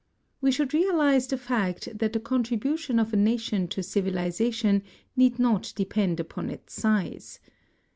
We should realize the fact that the contribution of a nation to civilization need not depend upon its size.